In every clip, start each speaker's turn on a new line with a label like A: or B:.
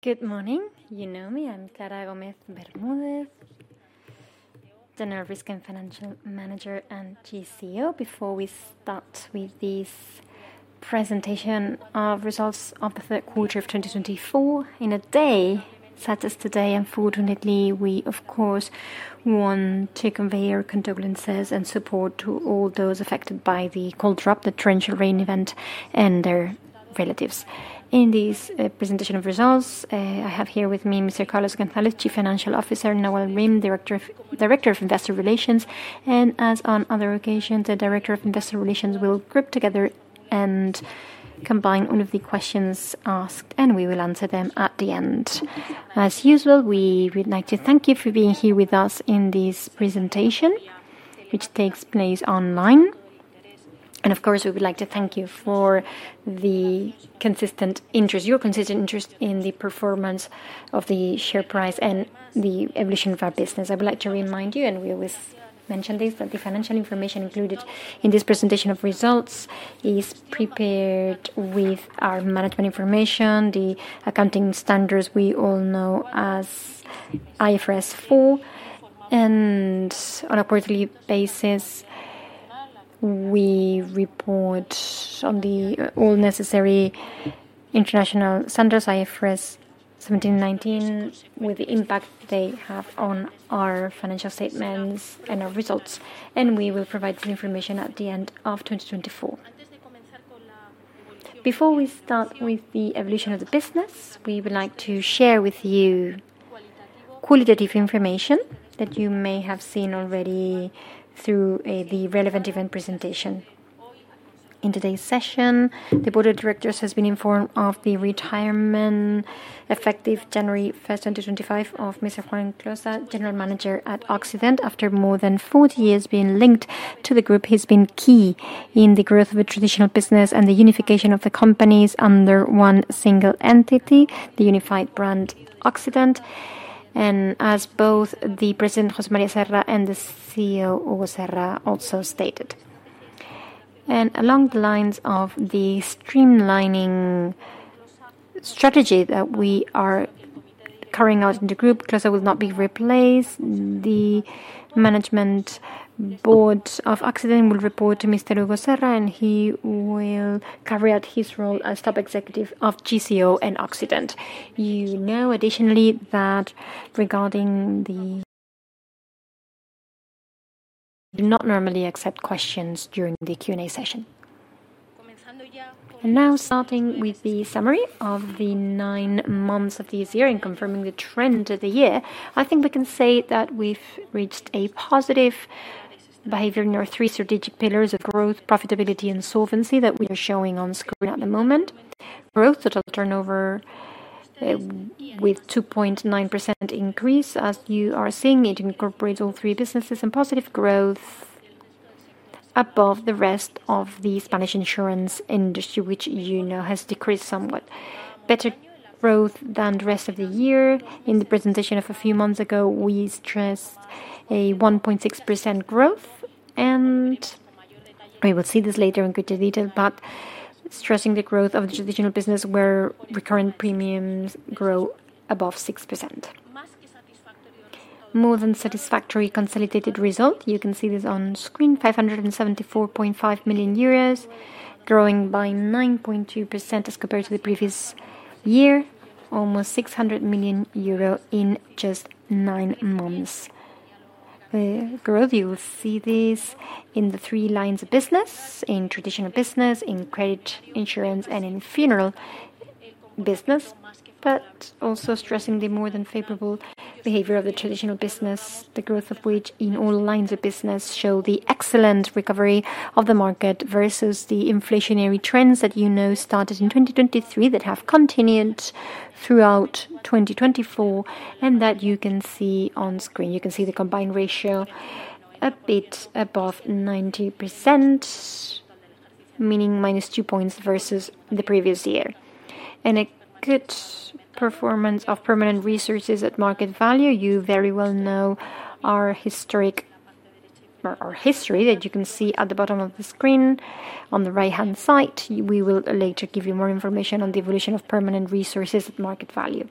A: Good morning. You know me, I'm Clara Gómez Bermúdez, General Risk and Financial Manager at GCO. Before we start with this presentation of results of the third quarter of 2024, in a day such as today, unfortunately, we, of course, want to convey our condolences and support to all those affected by the cold drop, the torrential rain event, and their relatives. In this presentation of results, I have here with me Mr. Carlos González, Chief Financial Officer, Nawal Rim, Director of Investor Relations, and, as on other occasions, the Director of Investor Relations will group together and combine all of the questions asked, and we will answer them at the end. As usual, we would like to thank you for being here with us in this presentation, which takes place online. Of course, we would like to thank you for your consistent interest in the performance of the share price and the evolution of our business. I would like to remind you, and we always mention this, that the financial information included in this presentation of results is prepared with our management information, the accounting standards we all know as IFRS 4, and on a quarterly basis, we report on all necessary international standards, IFRS 17 and 9, with the impact they have on our financial statements and our results. We will provide this information at the end of 2024. Before we start with the evolution of the business, we would like to share with you qualitative information that you may have seen already through the relevant event presentation. In today's session, the Board of Directors has been informed of the retirement effective January 1, 2025, of Mr. Juan Closa, General Manager at Occident. After more than 40 years being linked to the group, he has been key in the growth of a traditional business and the unification of the companies under one single entity, the Unified Brand Occident, as both the President, José María Serra, and the CEO, Hugo Serra, also stated, and along the lines of the streamlining strategy that we are carrying out in the group, Closa will not be replaced. The Management Board of Occident will report to Mr. Hugo Serra, and he will carry out his role as Top Executive of GCO and Occident. You know, additionally, that regarding the. Do not normally accept questions during the Q&A session. Now, starting with the summary of the nine months of this year and confirming the trend of the year, I think we can say that we've reached a positive behaviour in our three strategic pillars of growth, profitability, and solvency that we are showing on screen at the moment. Growth, total turnover, with a 2.9% increase, as you are seeing. It incorporates all three businesses in positive growth above the rest of the Spanish insurance industry, which, you know, has decreased somewhat. Better growth than the rest of the year. In the presentation of a few months ago, we stressed a 1.6% growth, and we will see this later in greater detail, but stressing the growth of the traditional business where recurring premiums grow above 6%. More than satisfactory consolidated result. You can see this on screen: 574.5 million euros, growing by 9.2% as compared to the previous year, almost 600 million euro in just nine months. The growth, you will see this in the three lines of business: in traditional business, in credit insurance, and in funeral business, but also stressing the more than favorable behaviour of the traditional business, the growth of which in all lines of business shows the excellent recovery of the market versus the inflationary trends that, you know, started in 2023 that have continued throughout 2024, and that you can see on screen. You can see the combined ratio a bit above 90%, meaning minus two points versus the previous year, and a good performance of permanent resources at market value, you very well know our history that you can see at the bottom of the screen on the right-hand side. We will later give you more information on the evolution of permanent resources at market value,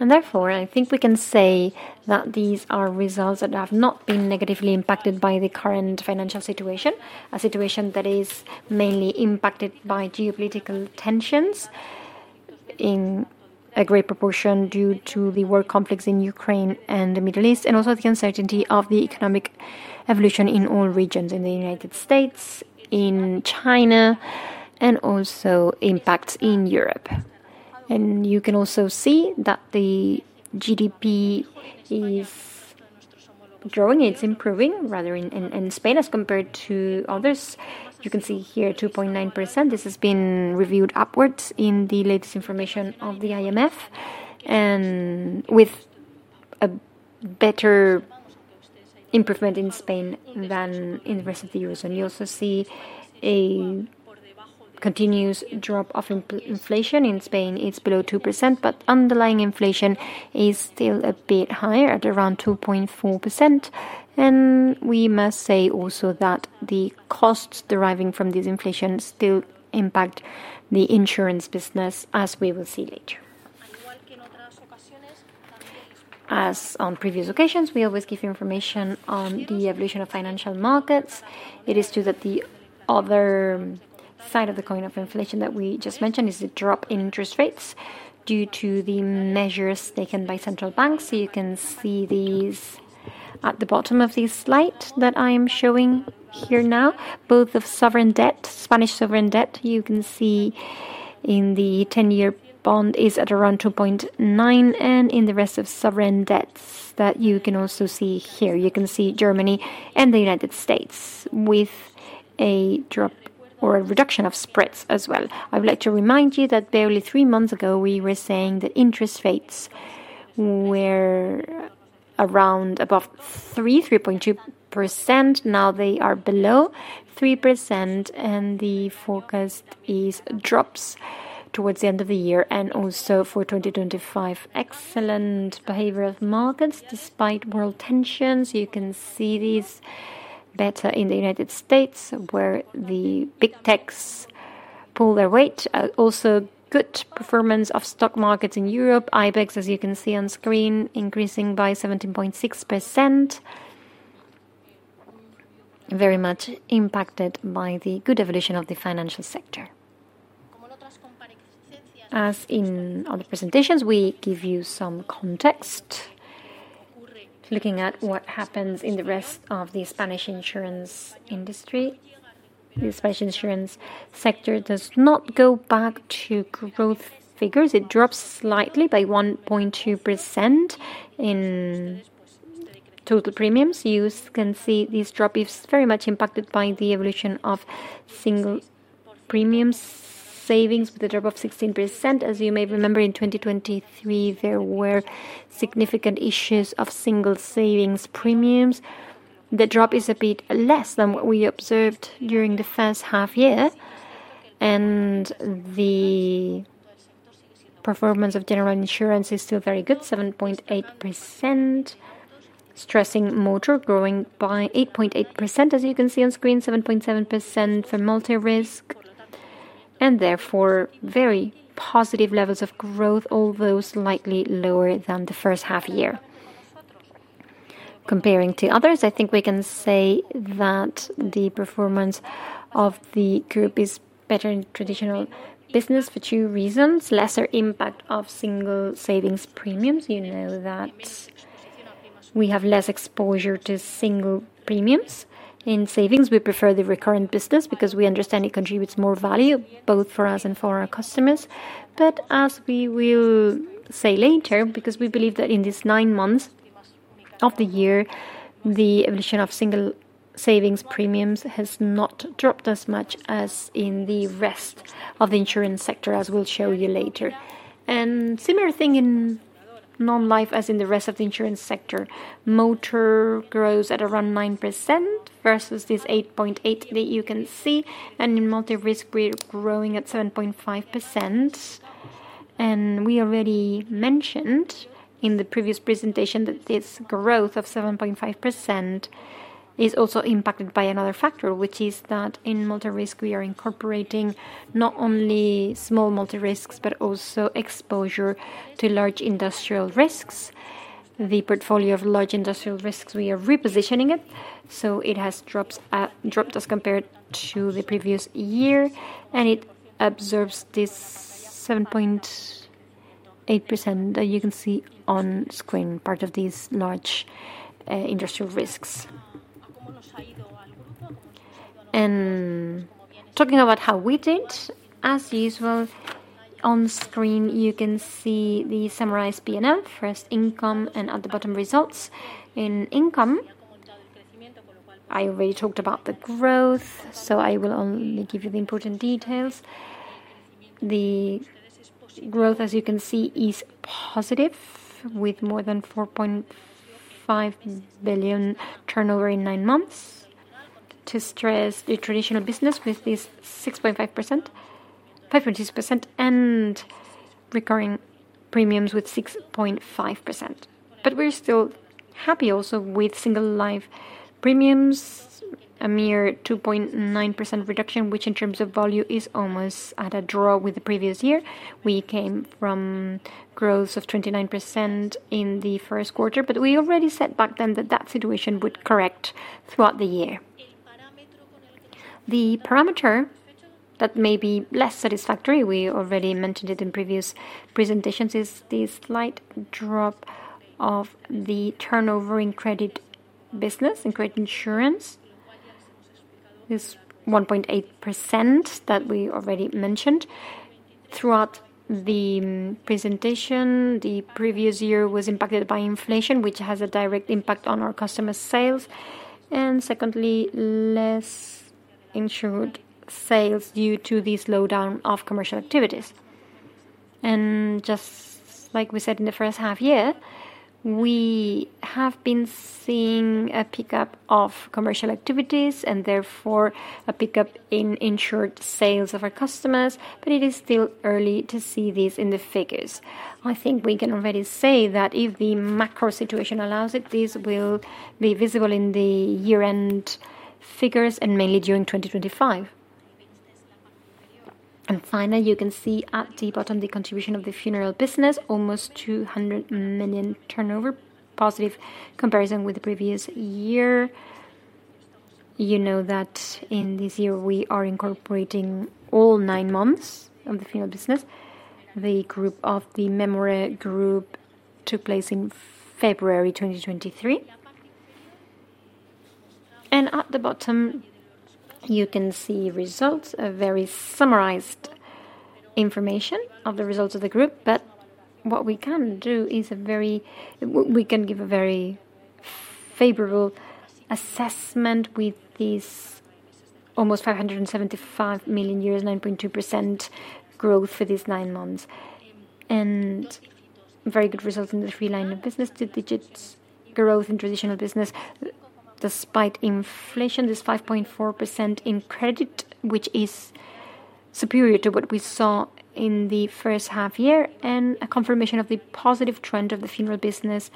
A: and therefore, I think we can say that these are results that have not been negatively impacted by the current financial situation, a situation that is mainly impacted by geopolitical tensions in a great proportion due to the world conflicts in Ukraine and the Middle East, and also the uncertainty of the economic evolution in all regions in the United States, in China, and also impacts in Europe, and you can also see that the GDP is growing, it's improving, rather, in Spain as compared to others. You can see here 2.9%. This has been reviewed upwards in the latest information of the IMF, and with a better improvement in Spain than in the rest of the EU, and you also see a continuous drop of inflation in Spain. It's below 2%, but underlying inflation is still a bit higher at around 2.4%. We must say also that the costs deriving from this inflation still impact the insurance business, as we will see later. As on previous occasions, we always give information on the evolution of financial markets. It is true that the other side of the coin of inflation that we just mentioned is the drop in interest rates due to the measures taken by central banks. You can see these at the bottom of this slide that I am showing here now. Both of sovereign debt, Spanish sovereign debt, you can see in the 10-year bond is at around 2.9%, and in the rest of sovereign debts that you can also see here. You can see Germany and the United States with a drop or a reduction of spreads as well. I would like to remind you that barely three months ago we were saying that interest rates were around above three, 3.2%. Now they are below 3%, and the forecast drops towards the end of the year and also for 2025. Excellent behavior of markets despite world tensions. You can see this better in the United States where the big techs pull their weight. Also good performance of stock markets in Europe. IBEX, as you can see on screen, increasing by 17.6%, very much impacted by the good evolution of the financial sector. As in other presentations, we give you some context, looking at what happens in the rest of the Spanish insurance industry. The Spanish insurance sector does not go back to growth figures. It drops slightly by 1.2% in total premiums. You can see this drop is very much impacted by the evolution of single premium savings with a drop of 16%. As you may remember, in 2023, there were significant issues of single savings premiums. The drop is a bit less than what we observed during the first half year, and the performance of general insurance is still very good, 7.8%, especially motor growing by 8.8%, as you can see on screen, 7.7% for multi-risk, and therefore very positive levels of growth, although slightly lower than the first half year. Comparing to others, I think we can say that the performance of the group is better in traditional business for two reasons: lesser impact of single savings premiums. You know that we have less exposure to single premiums in savings. We prefer the recurrent business because we understand it contributes more value both for us and for our customers. As we will say later, because we believe that in these nine months of the year, the evolution of single savings premiums has not dropped as much as in the rest of the insurance sector, as we'll show you later. Similar thing in non-life as in the rest of the insurance sector. Motor grows at around 9% versus this 8.8% that you can see, and in multi-risk, we're growing at 7.5%. We already mentioned in the previous presentation that this growth of 7.5% is also impacted by another factor, which is that in multi-risk, we are incorporating not only small multi-risk but also exposure to large industrial risks. The portfolio of large industrial risks, we are repositioning it, so it has dropped as compared to the previous year, and it absorbs this 7.8% that you can see on screen, part of these large industrial risks. Talking about how we did, as usual, on screen, you can see the summarized P&L, first income, and at the bottom, results. In income, I already talked about the growth, so I will only give you the important details. The growth, as you can see, is positive, with more than 4.5 billion turnover in nine months, to stress the traditional business with this 6.5%, 5.6%, and recurring premiums with 6.5%. But we're still happy also with single life premiums, a mere 2.9% reduction, which in terms of value is almost at a draw with the previous year. We came from growth of 29% in the first quarter, but we already said back then that that situation would correct throughout the year. The parameter that may be less satisfactory, we already mentioned it in previous presentations, is this slight drop of the turnover in credit business, in credit insurance, this 1.8% that we already mentioned. Throughout the presentation, the previous year was impacted by inflation, which has a direct impact on our customer sales, and secondly, less insured sales due to this slowdown of commercial activities. And just like we said in the first half year, we have been seeing a pickup of commercial activities and therefore a pickup in insured sales of our customers, but it is still early to see this in the figures. I think we can already say that if the macro situation allows it, this will be visible in the year-end figures and mainly during 2025. Finally, you can see at the bottom the contribution of the funeral business, almost 200 million turnover, positive comparison with the previous year. You know that in this year, we are incorporating all nine months of the funeral business. The group of the Mémora Group took place in February 2023. At the bottom, you can see results, a very summarized information of the results of the group, but what we can do is we can give a very favorable assessment with this almost 575 million euros, 9.2% growth for these nine months, and very good results in the three line of business, two digits growth in traditional business despite inflation, this 5.4% in credit, which is superior to what we saw in the first half year, and a confirmation of the positive trend of the funeral business,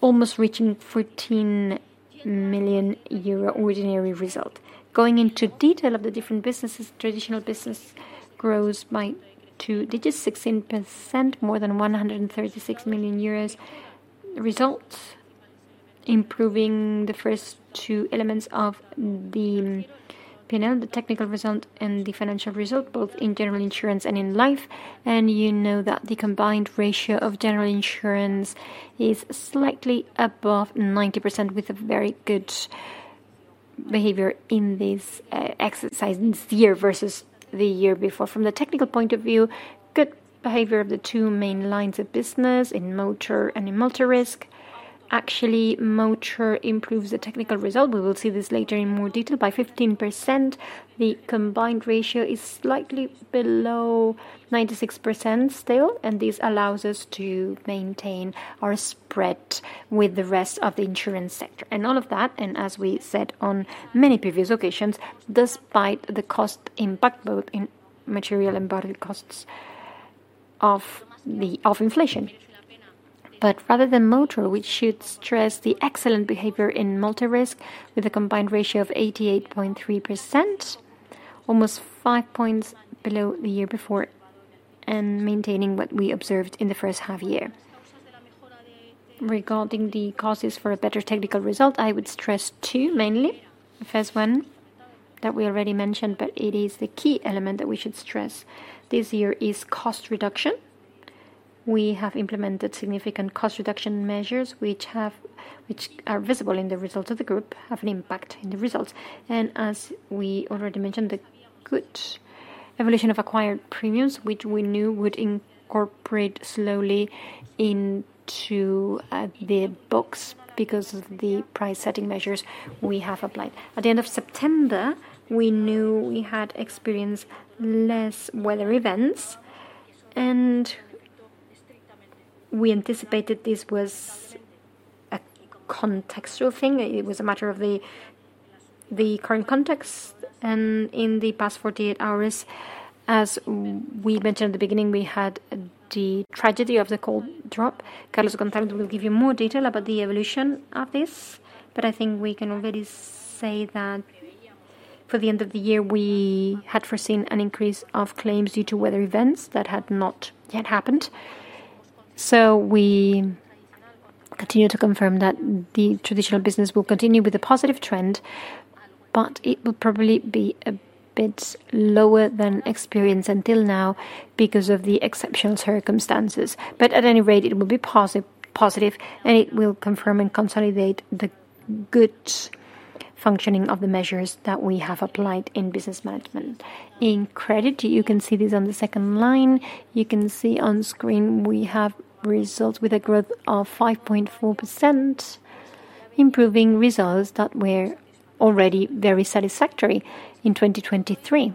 A: almost reaching 14 million euro ordinary result. Going into detail of the different businesses, traditional business grows by two digits, 16%, more than 136 million euros results, improving the first two elements of the P&L, the technical result and the financial result, both in general insurance and in life, and you know that the combined ratio of general insurance is slightly above 90% with a very good behavior in this exercise this year versus the year before. From the technical point of view, good behavior of the two main lines of business in motor and in multi-risk. Actually, motor improves the technical result. We will see this later in more detail. By 15%, the combined ratio is slightly below 96% still, and this allows us to maintain our spread with the rest of the insurance sector. And all of that, and as we said on many previous occasions, despite the cost impact both in material and bodily costs of inflation. But rather than motor, we should stress the excellent behavior in multi-risk with a combined ratio of 88.3%, almost five points below the year before and maintaining what we observed in the first half year. Regarding the causes for a better technical result, I would stress two mainly. The first one that we already mentioned, but it is the key element that we should stress this year, is cost reduction. We have implemented significant cost reduction measures, which are visible in the results of the group, have an impact in the results. And as we already mentioned, the good evolution of acquired premiums, which we knew would incorporate slowly into the books because of the price setting measures we have applied. At the end of September, we knew we had experienced less weather events, and we anticipated this was a contextual thing. It was a matter of the current context, and in the past 48 hours, as we mentioned at the beginning, we had the tragedy of the cold drop. Carlos González will give you more detail about the evolution of this, but I think we can already say that for the end of the year, we had foreseen an increase of claims due to weather events that had not yet happened, so we continue to confirm that the traditional business will continue with a positive trend, but it will probably be a bit lower than experienced until now because of the exceptional circumstances, but at any rate, it will be positive, and it will confirm and consolidate the good functioning of the measures that we have applied in business management. In credit, you can see this on the second line. You can see on screen we have results with a growth of 5.4%, improving results that were already very satisfactory in 2023.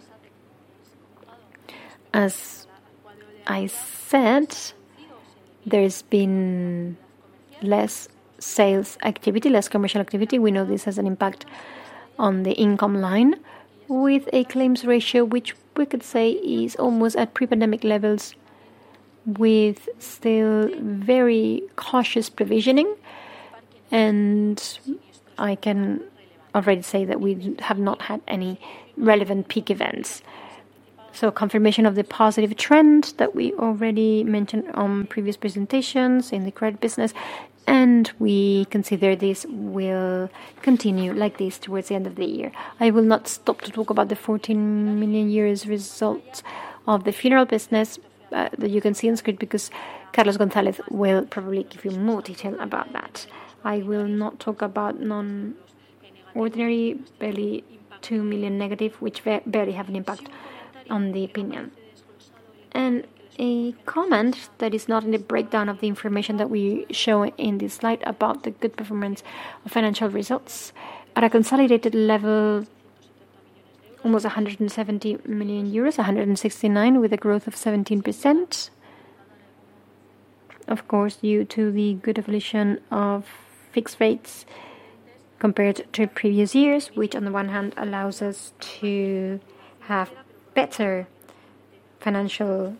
A: As I said, there has been less sales activity, less commercial activity. We know this has an impact on the income line with a claims ratio, which we could say is almost at pre-pandemic levels with still very cautious provisioning, and I can already say that we have not had any relevant peak events, so confirmation of the positive trend that we already mentioned on previous presentations in the credit business, and we consider this will continue like this towards the end of the year. I will not stop to talk about the 14 million result of the funeral business that you can see on screen because Carlos González will probably give you more detail about that. I will not talk about non-ordinary, barely 2 million negative, which barely have an impact on the opinion. And a comment that is not in the breakdown of the information that we show in this slide about the good performance of financial results at a consolidated level, almost 170 million euros, 169, with a growth of 17%. Of course, due to the good evolution of fixed rates compared to previous years, which on the one hand allows us to have better financial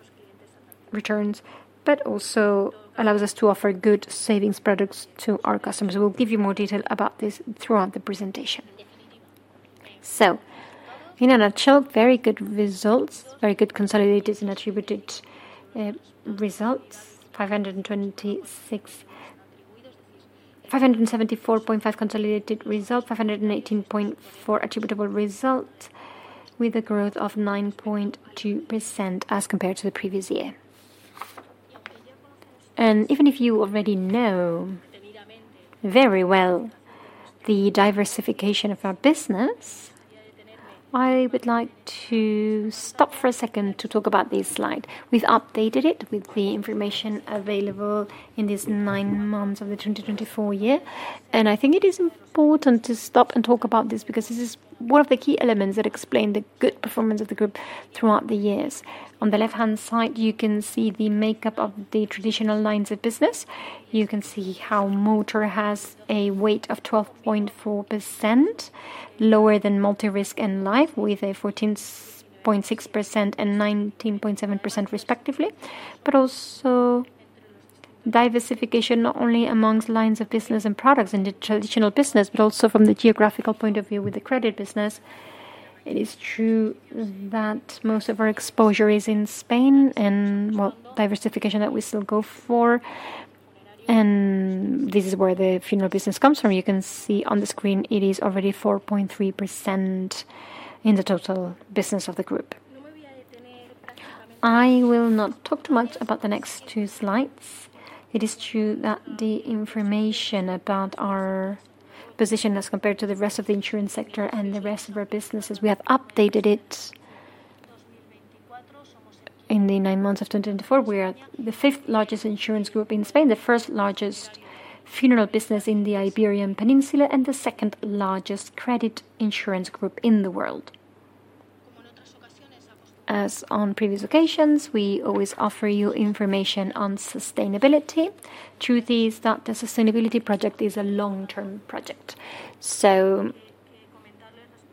A: returns, but also allows us to offer good savings products to our customers. We'll give you more detail about this throughout the presentation. So in a nutshell, very good results, very good consolidated and attributable results, EUR 574.5 million consolidated result, EUR 518.4 million attributable result, with a growth of 9.2% as compared to the previous year. Even if you already know very well the diversification of our business, I would like to stop for a second to talk about this slide. We've updated it with the information available in these nine months of the 2024 year. I think it is important to stop and talk about this because this is one of the key elements that explain the good performance of the group throughout the years. On the left-hand side, you can see the makeup of the traditional lines of business. You can see how motor has a weight of 12.4%, lower than multi-risk and life with a 14.6% and 19.7% respectively. Also diversification not only amongst lines of business and products in the traditional business, but also from the geographical point of view with the credit business. It is true that most of our exposure is in Spain and what diversification that we still go for, and this is where the funeral business comes from. You can see on the screen it is already 4.3% in the total business of the group. I will not talk too much about the next two slides. It is true that the information about our position as compared to the rest of the insurance sector and the rest of our businesses, we have updated it in the nine months of 2024. We are the fifth largest insurance group in Spain, the first largest funeral business in the Iberian Peninsula, and the second largest credit insurance group in the world. As on previous occasions, we always offer you information on sustainability. Truth is that the sustainability project is a long-term project. is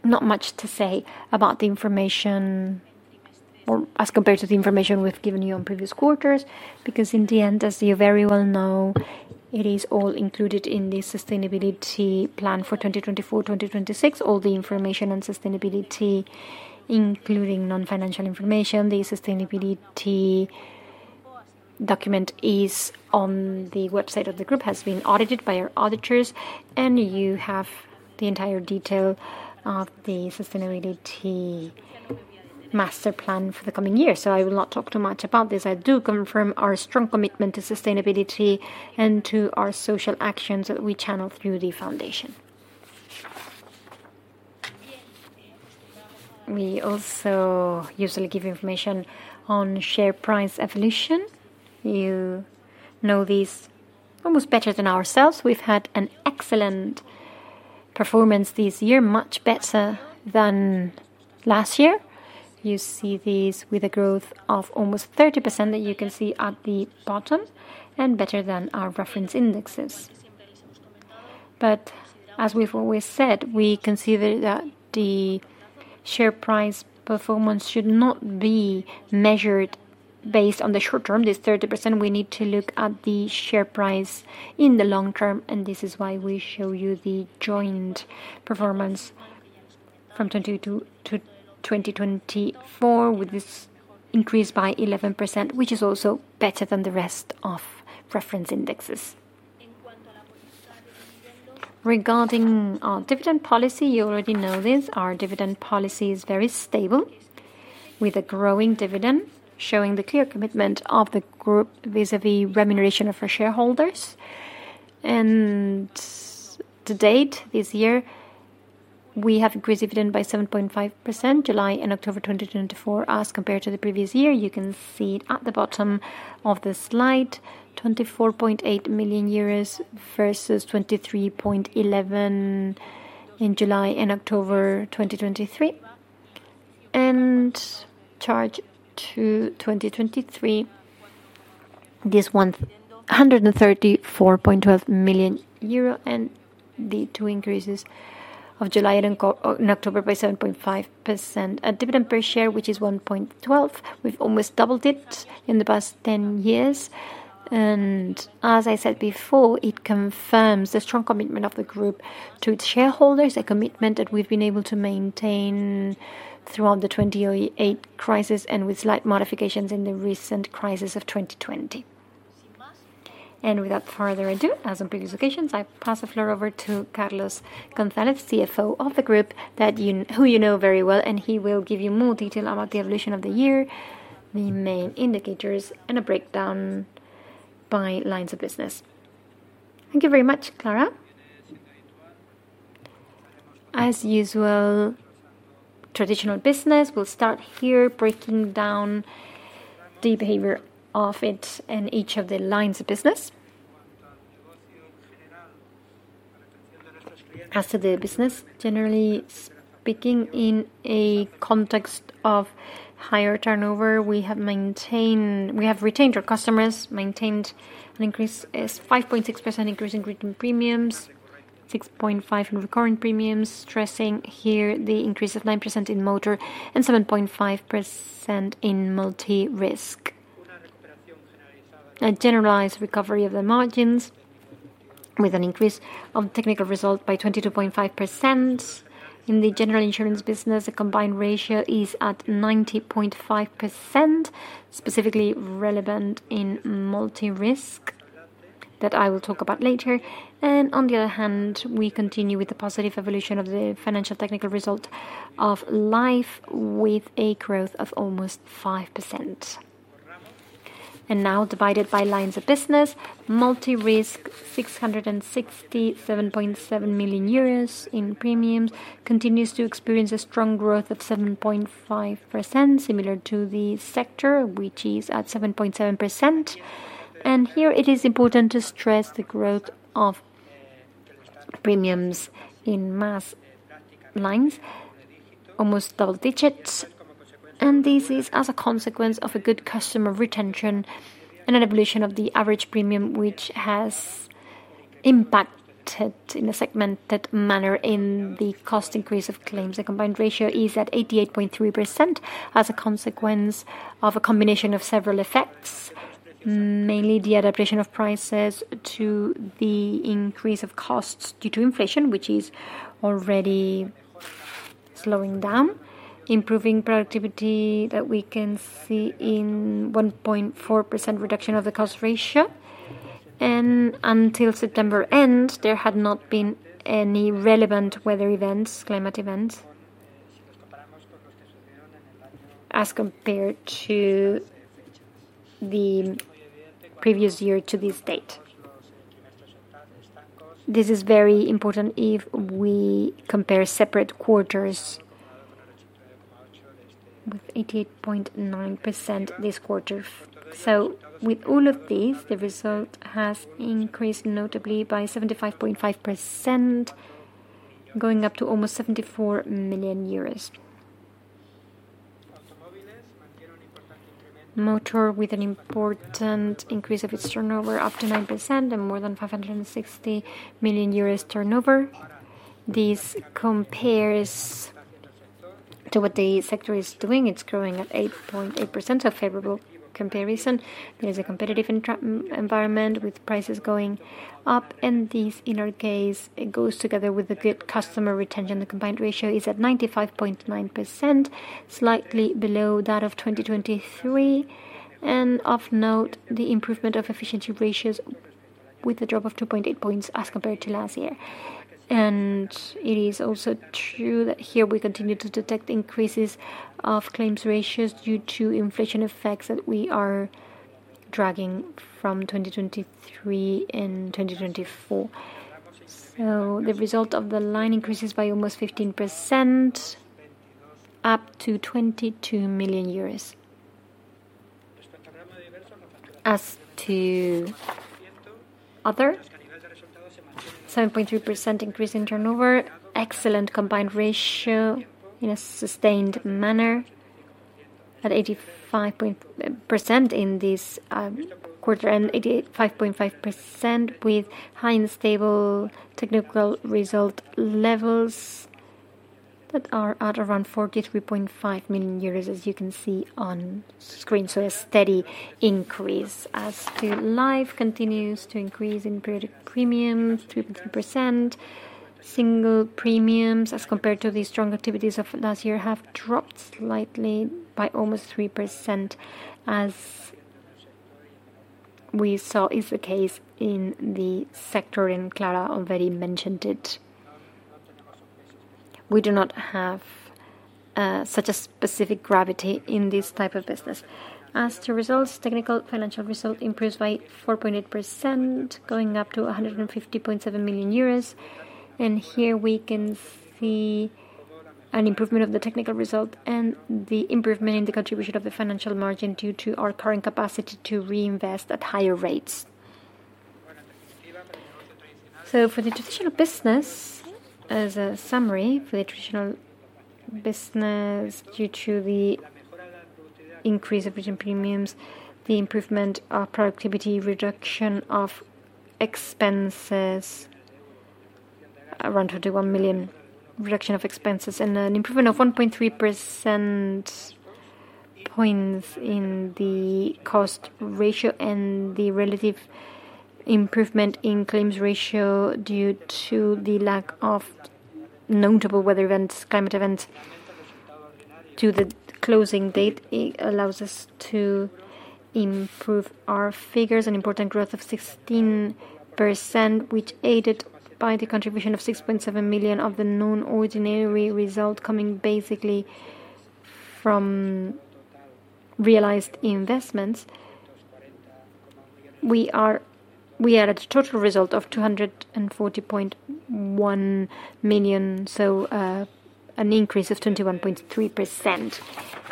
A: not much to say about the information or as compared to the information we've given you on previous quarters, because in the end, as you very well know, it is all included in the sustainability plan for 2024-2026. All the information on sustainability, including non-financial information, the sustainability document is on the website of the group, has been audited by our auditors, and you have the entire detail of the sustainability master plan for the coming year. I will not talk too much about this. I do confirm our strong commitment to sustainability and to our social actions that we channel through the foundation. We also usually give information on share price evolution. You know this almost better than ourselves. We've had an excellent performance this year, much better than last year. You see this with a growth of almost 30% that you can see at the bottom and better than our reference indexes. But as we've always said, we consider that the share price performance should not be measured based on the short term, this 30%. We need to look at the share price in the long term, and this is why we show you the joint performance from 2022 to 2024 with this increase by 11%, which is also better than the rest of reference indexes. Regarding our dividend policy, you already know this. Our dividend policy is very stable with a growing dividend, showing the clear commitment of the group vis-à-vis remuneration of our shareholders. And to date, this year, we have increased dividend by 7.5%, July and October 2024, as compared to the previous year. You can see it at the bottom of the slide, 24.8 million versus 23.11 in July and October 2023. And compared to 2023, this 134.12 million euros and the two increases of July and October by 7.5%. A dividend per share, which is 1.12, we've almost doubled it in the past 10 years. And as I said before, it confirms the strong commitment of the group to its shareholders, a commitment that we've been able to maintain throughout the 2008 crisis and with slight modifications in the recent crisis of 2020. And without further ado, as on previous occasions, I pass the floor over to Carlos González, CFO of the group, who you know very well, and he will give you more detail about the evolution of the year, the main indicators, and a breakdown by lines of business. Thank you very much, Clara. As usual, traditional business, we'll start here breaking down the behavior of it and each of the lines of business. As to the business, generally speaking, in a context of higher turnover, we have retained our customers, maintained an increase of 5.6%, increasing premiums, 6.5% in recurring premiums, stressing here the increase of 9% in motor and 7.5% in multi-risk. A generalized recovery of the margins with an increase of technical result by 22.5%. In the general insurance business, the combined ratio is at 90.5%, specifically relevant in multi-risk that I will talk about later, and on the other hand, we continue with the positive evolution of the financial technical result of life with a growth of almost 5%, and now, divided by lines of business, multi-risk, 667.7 million euros in premiums continues to experience a strong growth of 7.5%, similar to the sector, which is at 7.7%. Here it is important to stress the growth of premiums in mass lines, almost double digits. This is as a consequence of a good customer retention and an evolution of the average premium, which has impacted in a segmented manner in the cost increase of claims. The combined ratio is at 88.3% as a consequence of a combination of several effects, mainly the adaptation of prices to the increase of costs due to inflation, which is already slowing down, improving productivity that we can see in 1.4% reduction of the cost ratio. Until September end, there had not been any relevant weather events, climate events, as compared to the previous year to this date. This is very important if we compare separate quarters with 88.9% this quarter. With all of these, the result has increased notably by 75.5%, going up to almost 74 million euros. Motor with an important increase of its turnover up to 9% and more than 560 million euros turnover. This compares to what the sector is doing. It's growing at 8.8%, a favorable comparison. There is a competitive environment with prices going up, and this, in our case, goes together with a good customer retention. The combined ratio is at 95.9%, slightly below that of 2023, and of note, the improvement of efficiency ratios with a drop of 2.8 points as compared to last year, and it is also true that here we continue to detect increases of claims ratios due to inflation effects that we are dragging from 2023 and 2024, so the result of the line increases by almost 15%, up to EUR 22 million. As to other, 7.3% increase in turnover, excellent combined ratio in a sustained manner at 85.5% in this quarter and 85.5% with high and stable technical result levels that are at around 43.5 million euros, as you can see on screen, so a steady increase. As to life, continues to increase in periodic premiums, 2.3%. Single premiums, as compared to the strong activities of last year, have dropped slightly by almost 3%, as we saw is the case in the sector, and Clara already mentioned it. We do not have such a specific gravity in this type of business. As to results, technical financial result improves by 4.8%, going up to 150.7 million euros, and here we can see an improvement of the technical result and the improvement in the contribution of the financial margin due to our current capacity to reinvest at higher rates. So for the traditional business, as a summary, for the traditional business, due to the increase of premiums, the improvement of productivity, reduction of expenses around 21 million reduction of expenses, and an improvement of 1.3 percentage points in the cost ratio and the relative improvement in claims ratio due to the lack of notable weather events, climate events up to the closing date, it allows us to improve our figures, an important growth of 16%, which aided by the contribution of 6.7 million of the non-ordinary result coming basically from realized investments. We added a total result of 240.1 million, so an increase of 21.3%.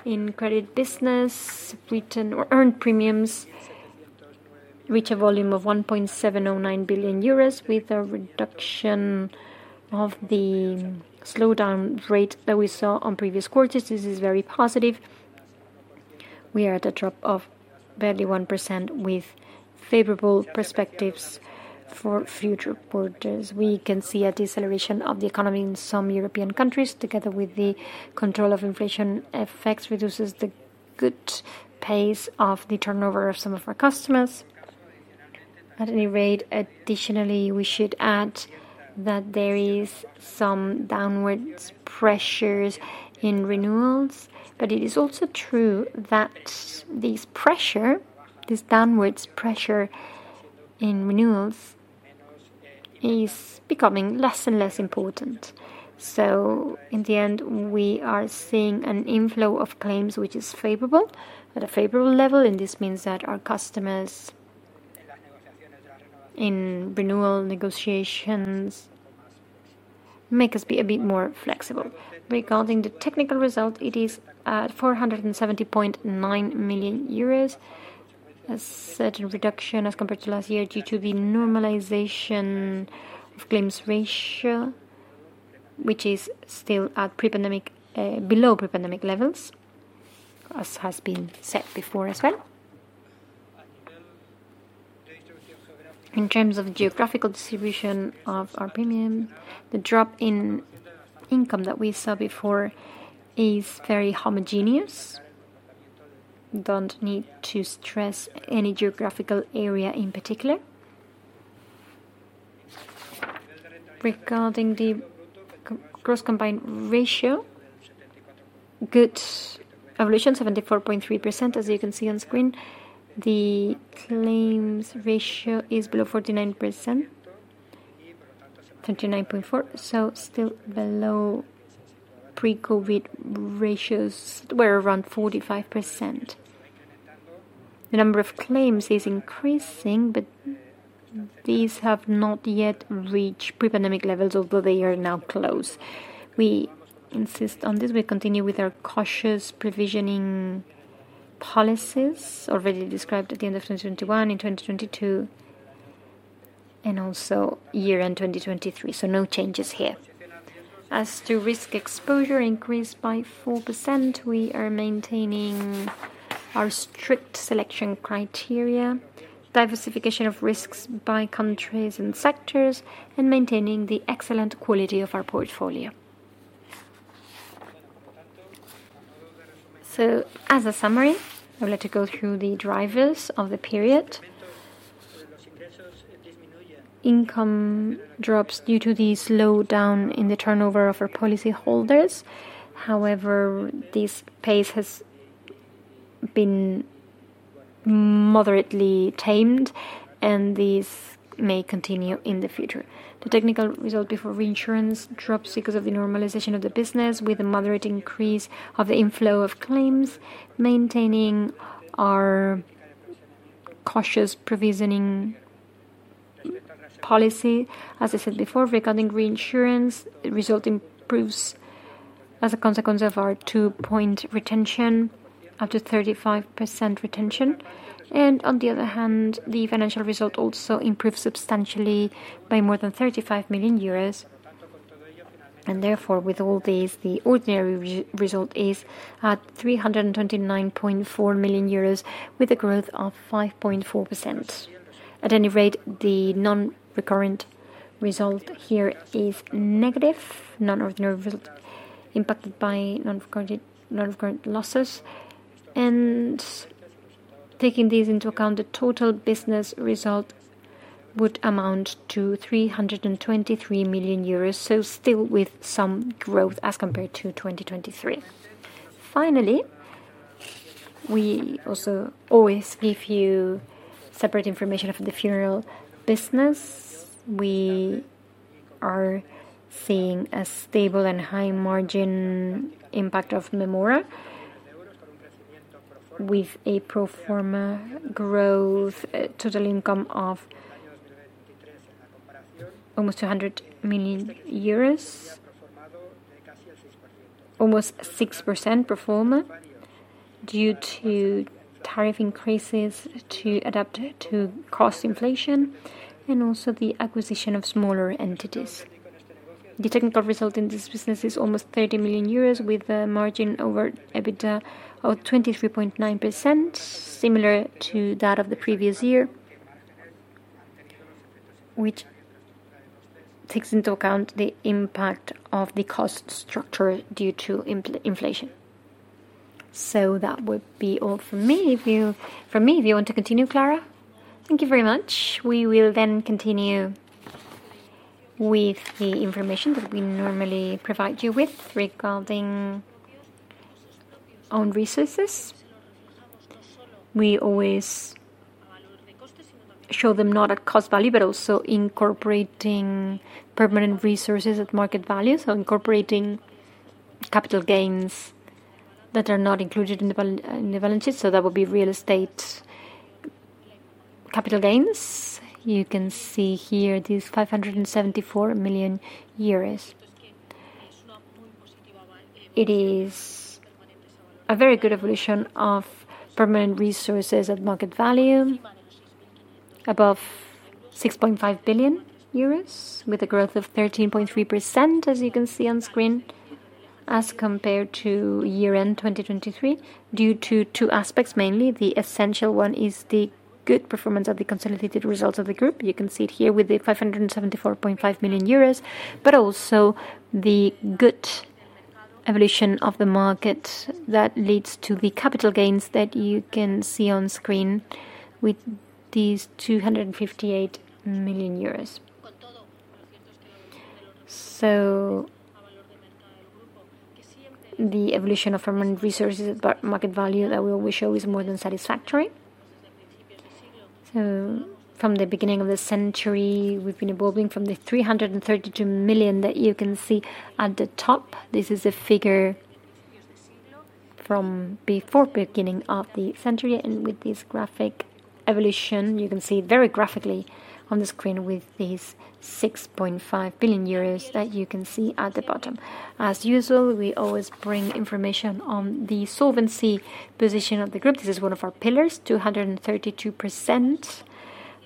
A: In credit business, we earned premiums, which are a volume of 1.709 billion euros, with a reduction of the slowdown rate that we saw on previous quarters. This is very positive. We are at a drop of barely 1% with favorable perspectives for future quarters. We can see a deceleration of the economy in some European countries, together with the control of inflation effects, which reduces the good pace of the turnover of some of our customers. At any rate, additionally, we should add that there are some downward pressures in renewals, but it is also true that this pressure, this downward pressure in renewals, is becoming less and less important. So in the end, we are seeing an inflow of claims, which is favorable at a favorable level, and this means that our customers in renewal negotiations make us be a bit more flexible. Regarding the technical result, it is at 470.9 million euros, a certain reduction as compared to last year due to the normalization of claims ratio, which is still at below pre-pandemic levels, as has been said before as well. In terms of geographical distribution of our premium, the drop in income that we saw before is very homogeneous. Don't need to stress any geographical area in particular. Regarding the gross combined ratio, good evolution, 74.3%, as you can see on screen. The claims ratio is below 49%, 29.4%, so still below pre-COVID ratios that were around 45%. The number of claims is increasing, but these have not yet reached pre-pandemic levels, although they are now close. We insist on this. We continue with our cautious provisioning policies already described at the end of 2021, in 2022, and also year-end 2023, so no changes here. As to risk exposure, increased by 4%, we are maintaining our strict selection criteria, diversification of risks by countries and sectors, and maintaining the excellent quality of our portfolio. So as a summary, I would like to go through the drivers of the period. Income drops due to the slowdown in the turnover of our policyholders. However, this pace has been moderately tamed, and this may continue in the future. The technical result before reinsurance drops because of the normalization of the business, with a moderate increase of the inflow of claims, maintaining our cautious provisioning policy, as I said before. Regarding reinsurance, the result improves as a consequence of our 2-point retention, up to 35% retention. And on the other hand, the financial result also improves substantially by more than 35 million euros. And therefore, with all these, the ordinary result is at 329.4 million euros, with a growth of 5.4%. At any rate, the non-recurrent result here is negative, non-ordinary result impacted by non-recurrent losses. And taking these into account, the total business result would amount to 323 million euros, so still with some growth as compared to 2023. Finally, we also always give you separate information for the funeral business. We are seeing a stable and high margin impact of Mémora, with a proforma growth, total income of almost EUR 200 million, almost 6% proforma due to tariff increases to adapt to cost inflation, and also the acquisition of smaller entities. The technical result in this business is almost 30 million euros, with a margin over EBITDA of 23.9%, similar to that of the previous year, which takes into account the impact of the cost structure due to inflation. So that would be all from me. From me, if you want to continue, Clara, thank you very much. We will then continue with the information that we normally provide you with regarding own resources. We always show them not at cost value, but also incorporating permanent resources at market value, so incorporating capital gains that are not included in the balance sheet, so that would be real estate capital gains. You can see here this 574 million. It is a very good evolution of permanent resources at market value, above 6.5 billion euros, with a growth of 13.3%, as you can see on screen, as compared to year-end 2023, due to two aspects, mainly. The essential one is the good performance of the consolidated results of the group. You can see it here with the 574.5 million euros, but also the good evolution of the market that leads to the capital gains that you can see on screen with these 258 million euros, so the evolution of permanent resources at market value that we always show is more than satisfactory. From the beginning of the century, we've been evolving from the 332 million that you can see at the top. This is a figure from before the beginning of the century. And with this graphic evolution, you can see very graphically on the screen with these 6.5 billion euros that you can see at the bottom. As usual, we always bring information on the solvency position of the group. This is one of our pillars, 232%,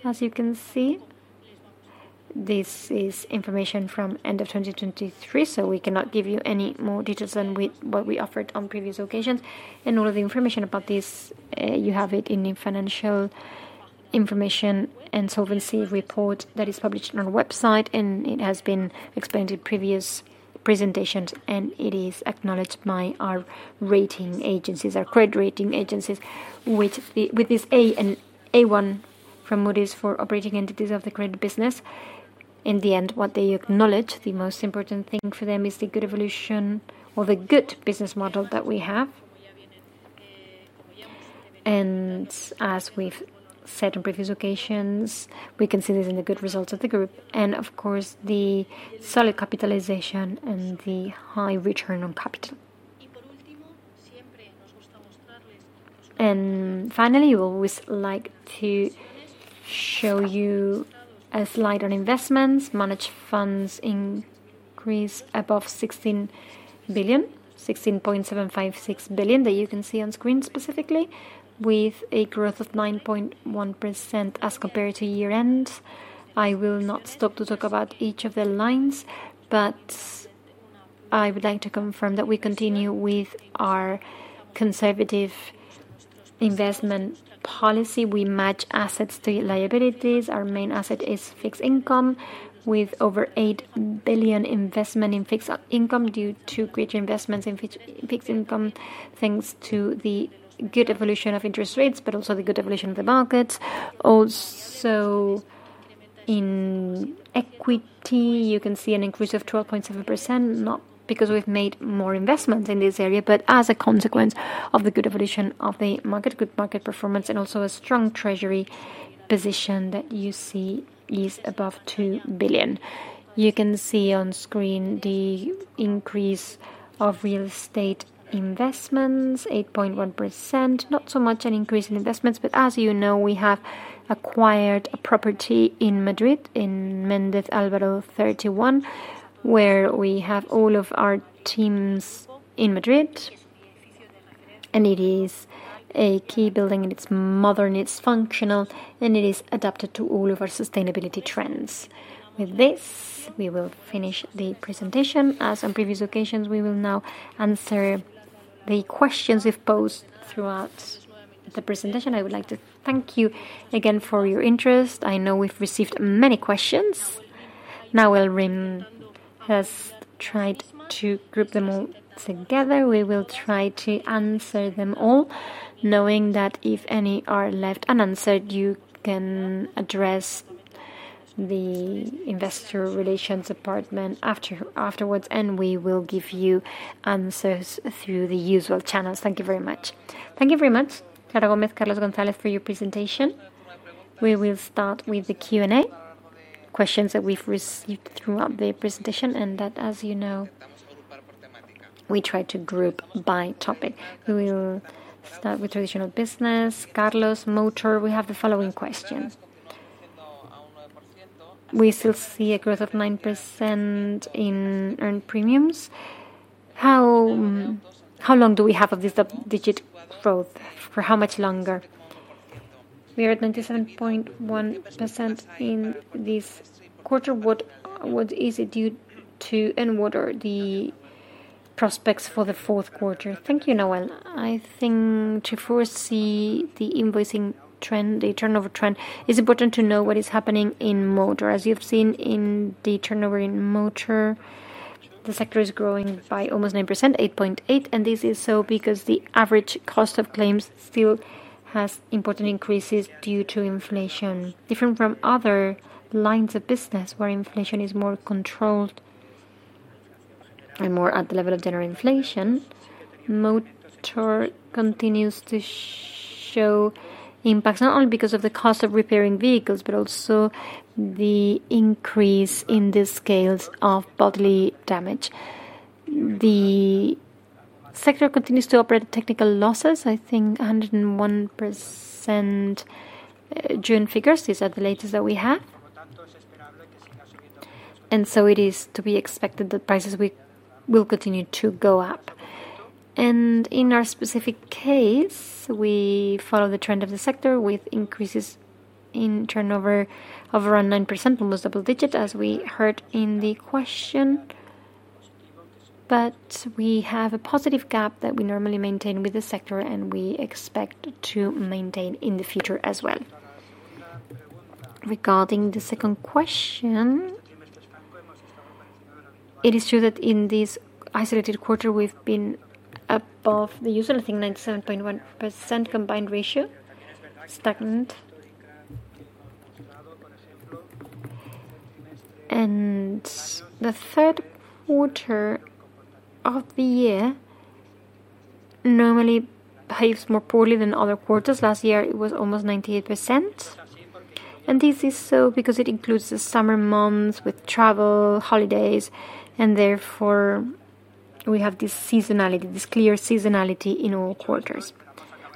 A: as you can see. This is information from end of 2023, so we cannot give you any more details than what we offered on previous occasions. And all of the information about this, you have it in the financial information and solvency report that is published on our website, and it has been explained in previous presentations, and it is acknowledged by our rating agencies, our credit rating agencies, with this A1 from Moody's for operating entities of the credit business. In the end, what they acknowledge, the most important thing for them is the good evolution or the good business model that we have. And as we've said on previous occasions, we can see this in the good results of the group, and of course, the solid capitalization and the high return on capital. And finally, we always like to show you a slide on investments, managed funds increase above 16 billion, 16.756 billion that you can see on screen specifically, with a growth of 9.1% as compared to year-end. I will not stop to talk about each of the lines, but I would like to confirm that we continue with our conservative investment policy. We match assets to liabilities. Our main asset is fixed income, with over 8 billion investment in fixed income due to greater investments in fixed income, thanks to the good evolution of interest rates, but also the good evolution of the market. Also in equity, you can see an increase of 12.7%, not because we've made more investments in this area, but as a consequence of the good evolution of the market, good market performance, and also a strong treasury position that you see is above 2 billion. You can see on screen the increase of real estate investments, 8.1%, not so much an increase in investments, but as you know, we have acquired a property in Madrid, in Méndez Álvaro 31, where we have all of our teams in Madrid, and it is a key building and it's modern, it's functional, and it is adapted to all of our sustainability trends. With this, we will finish the presentation. As on previous occasions, we will now answer the questions we've posed throughout the presentation. I would like to thank you again for your interest. I know we've received many questions. Nawal Rim has tried to group them all together, we will try to answer them all, knowing that if any are left unanswered, you can address the investor relations department afterwards, and we will give you answers through the usual channels. Thank you very much. Thank you very much, Clara Gómez, Carlos González, for your presentation. We will start with the Q&A, questions that we've received throughout the presentation, and that, as you know, we try to group by topic. We will start with traditional business. Carlos, Motor, we have the following question. We still see a growth of 9% in earned premiums. How long do we have of this digit growth? For how much longer? We are at 97.1% in this quarter. What is it due to and what are the prospects for the fourth quarter? Thank you, Noel. I think to foresee the invoicing trend, the turnover trend, it's important to know what is happening in Motor. As you've seen in the turnover in Motor, the sector is growing by almost 9%, 8.8%, and this is so because the average cost of claims still has important increases due to inflation. Different from other lines of business, where inflation is more controlled and more at the level of general inflation, Motor continues to show impacts, not only because of the cost of repairing vehicles, but also the increase in the scales of bodily damage. The sector continues to operate at technical losses, I think 101%, June figures. These are the latest that we have, and so it is to be expected that prices will continue to go up, and in our specific case, we follow the trend of the sector with increases in turnover of around 9%, almost double digit, as we heard in the question, but we have a positive gap that we normally maintain with the sector and we expect to maintain in the future as well. Regarding the second question, it is true that in this isolated quarter, we've been above the usual, I think 97.1% combined ratio, stagnant, and the third quarter of the year normally behaves more poorly than other quarters. Last year, it was almost 98%, and this is so because it includes the summer months with travel, holidays, and therefore we have this seasonality, this clear seasonality in all quarters,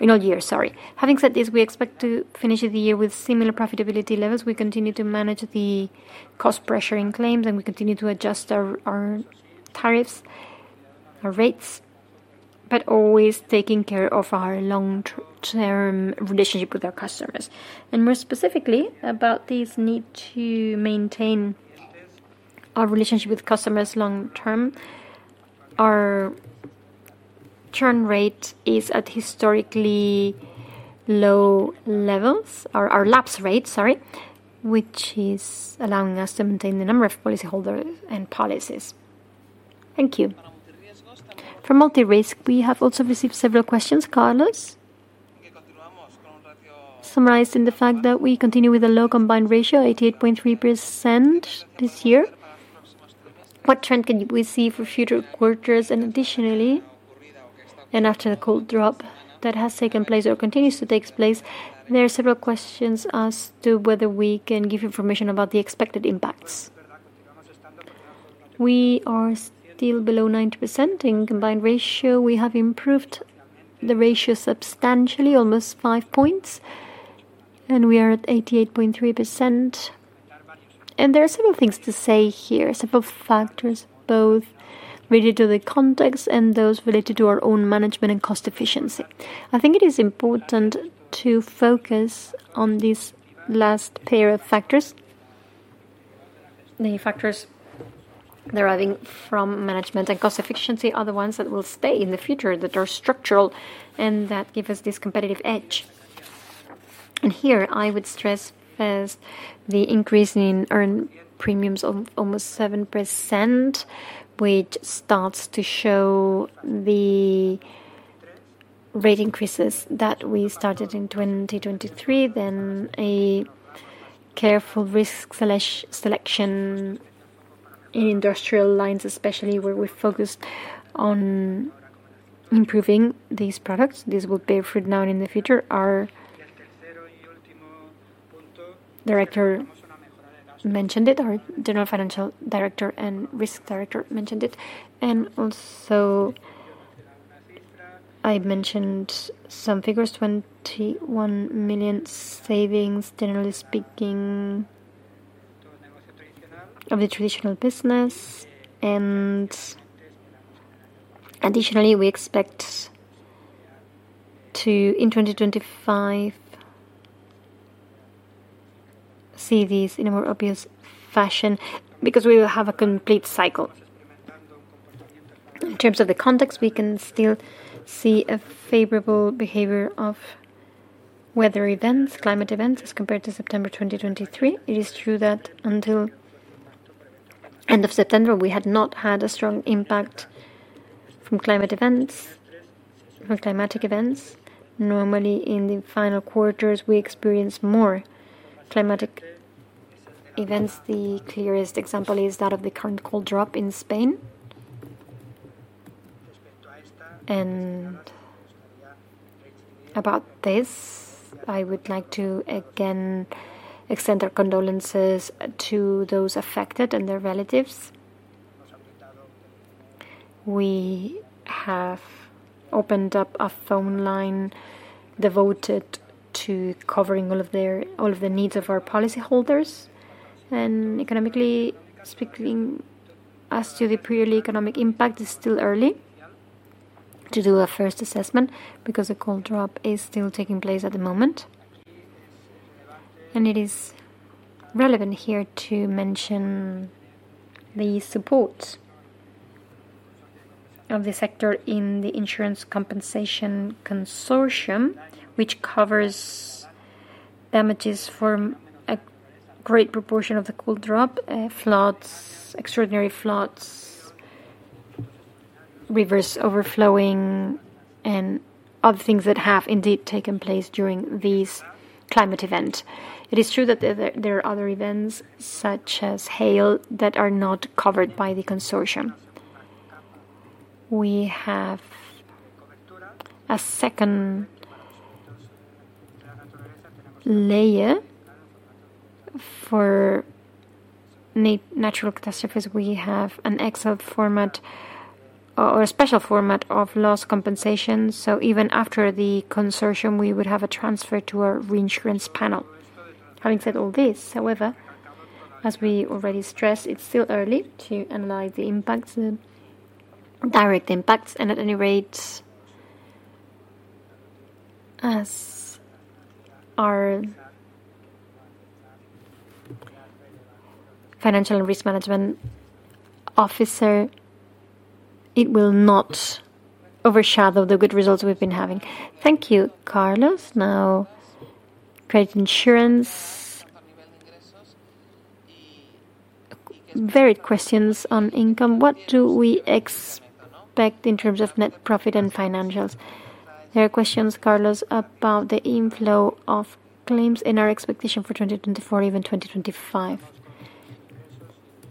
A: in all years, sorry. Having said this, we expect to finish the year with similar profitability levels. We continue to manage the cost pressure in claims, and we continue to adjust our tariffs, our rates, but always taking care of our long-term relationship with our customers. More specifically about this need to maintain our relationship with customers long-term, our churn rate is at historically low levels, our lapse rate, sorry, which is allowing us to maintain the number of policyholders and policies. Thank you. For multi-risk, we have also received several questions, Carlos. Summarized in the fact that we continue with a low combined ratio, 88.3% this year. What trend can we see for future quarters? And additionally, and after the cold drop that has taken place or continues to take place, there are several questions as to whether we can give information about the expected impacts. We are still below 90% in combined ratio. We have improved the ratio substantially, almost 5 points, and we are at 88.3%. And there are several things to say here, several factors, both related to the context and those related to our own management and cost efficiency. I think it is important to focus on this last pair of factors. The factors deriving from management and cost efficiency are the ones that will stay in the future, that are structural, and that give us this competitive edge. And here, I would stress first the increase in earned premiums of almost 7%, which starts to show the rate increases that we started in 2023, then a careful risk selection in industrial lines, especially where we focused on improving these products. This will be reflected now in the future. Our director mentioned it, our General Financial Director and Risk Director mentioned it, and also I mentioned some figures, 21 million savings, generally speaking, of the traditional business. And additionally, we expect to, in 2025, see this in a more obvious fashion. Because we will have a complete cycle. In terms of the context, we can still see a favorable behavior of weather events, climate events, as compared to September 2023. It is true that until end of September, we had not had a strong impact from climate events, from climatic events. Normally, in the final quarters, we experience more climatic events. The clearest example is that of the current cold drop in Spain, and about this, I would like to again extend our condolences to those affected and their relatives. We have opened up a phone line devoted to covering all of the needs of our policyholders, and economically speaking, as to the purely economic impact, it's still early to do a first assessment because the cold drop is still taking place at the moment. It is relevant here to mention the support of the sector in the Insurance Compensation Consortium, which covers damages for a great proportion of the cold drop, floods, extraordinary floods, rivers overflowing, and other things that have indeed taken place during these climate events. It is true that there are other events, such as hail, that are not covered by the consortium. We have a second layer for natural catastrophes. We have an excess format or a special format of loss compensation. So even after the consortium, we would have a transfer to our reinsurance panel. Having said all this, however, as we already stressed, it's still early to analyze the impacts, the direct impacts. And at any rate, as our financial risk management officer, it will not overshadow the good results we've been having. Thank you, Carlos. Now, credit insurance. Very good questions on income. What do we expect in terms of net profit and financials? There are questions, Carlos, about the inflow of claims and our expectation for 2024, even 2025.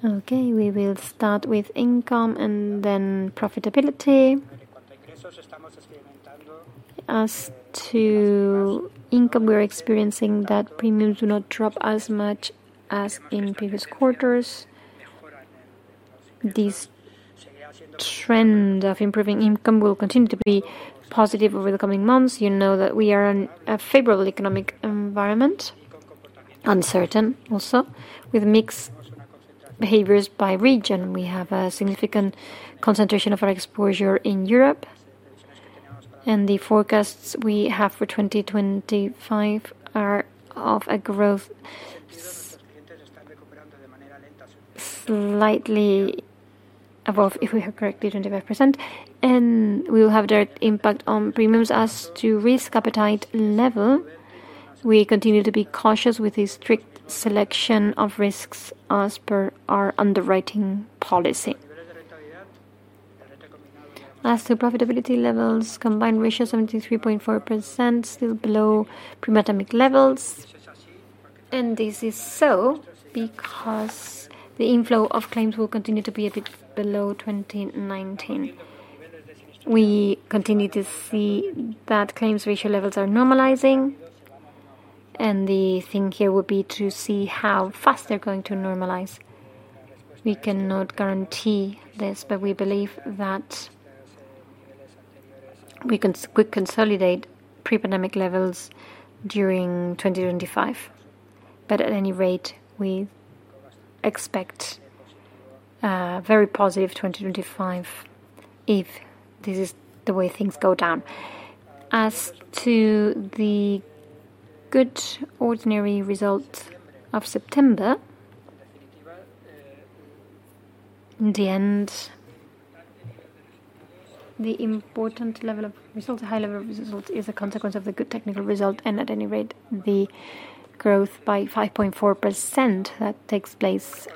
A: Okay, we will start with income and then profitability. As to income, we are experiencing that premiums do not drop as much as in previous quarters. This trend of improving income will continue to be positive over the coming months. You know that we are in a favorable economic environment, uncertain also, with mixed behaviors by region. We have a significant concentration of our exposure in Europe, and the forecasts we have for 2025 are of a growth. Slightly above, if we have corrected 25%, and we will have direct impact on premiums as to risk appetite level. We continue to be cautious with the strict selection of risks as per our underwriting policy. As to profitability levels, combined ratio is 73.4%, still below pre-pandemic levels, and this is so because the inflow of claims will continue to be a bit below 2019. We continue to see that claims ratio levels are normalizing, and the thing here would be to see how fast they're going to normalize. We cannot guarantee this, but we believe that we can quickly consolidate pre-pandemic levels during 2025. But at any rate, we expect a very positive 2025 if this is the way things go down. As to the good ordinary result of September, in the end, the important level of result, a high level of result, is a consequence of the good technical result, and at any rate, the growth by 5.4% that takes place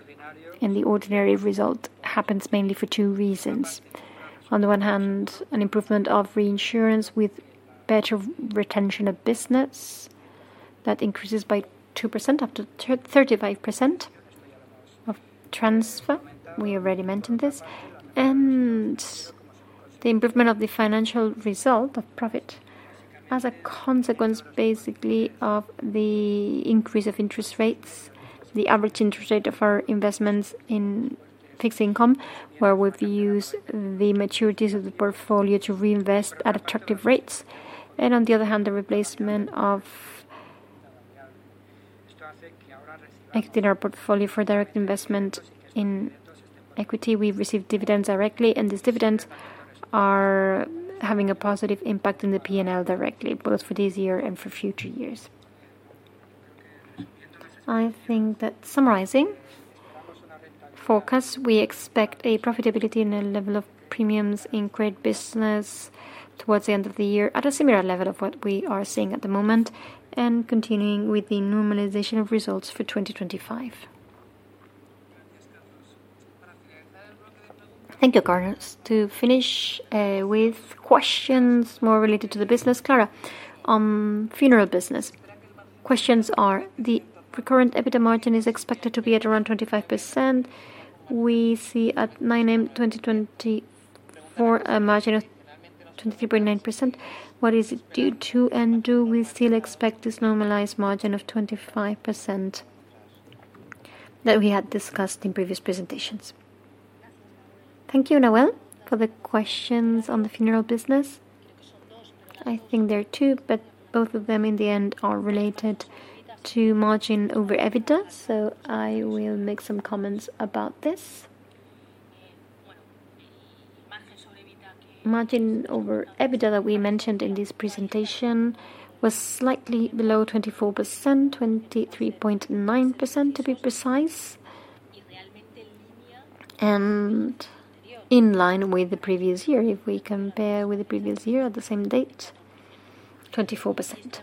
A: in the ordinary result happens mainly for two reasons. On the one hand, an improvement of reinsurance with better retention of business that increases by 2% up to 35% of transfer. We already mentioned this. And the improvement of the financial result of profit as a consequence, basically, of the increase of interest rates, the average interest rate of our investments in fixed income, where we've used the maturities of the portfolio to reinvest at attractive rates. And on the other hand, the replacement of equity in our portfolio for direct investment in equity, we've received dividends directly, and these dividends are having a positive impact on the P&L directly, both for this year and for future years. I think that summarizing forecasts, we expect a profitability in a level of premiums in credit business towards the end of the year at a similar level of what we are seeing at the moment, and continuing with the normalization of results for 2025. Thank you, Carlos. To finish with questions more related to the business, Clara, on funeral business, questions are: the recurrent EBITDA margin is expected to be at around 25%. We see at 9M2024 a margin of 23.9%. What is it due to? And do we still expect this normalized margin of 25% that we had discussed in previous presentations? Thank you, Noel, for the questions on the funeral business. I think there are two, but both of them in the end are related to margin over EBITDA, so I will make some comments about this. Margin over EBITDA that we mentioned in this presentation was slightly below 24%, 23.9% to be precise, and in line with the previous year. If we compare with the previous year at the same date, 24%,